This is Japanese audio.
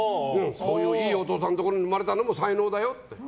いいお父さんのところに生まれたのも才能だよと。